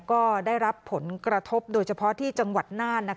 ก็ได้รับผลกระทบโดยเฉพาะที่จังหวัดน่าน